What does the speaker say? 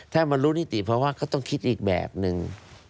ถ้ามันรู้นิติภาวะก็ต้องคิดอีกแบบนึง